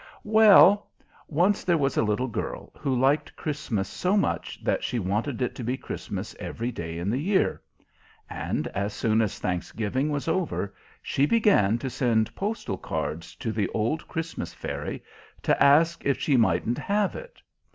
Well, once there was a little girl who liked Christmas so much that she wanted it to be Christmas every day in the year; and as soon as Thanksgiving was over she began to send postal cards to the old Christmas Fairy to ask if she mightn't have it.